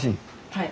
はい。